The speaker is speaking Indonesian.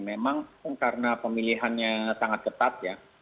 memang karena pemilihannya sangat ketat ya